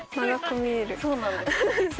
そうなんです。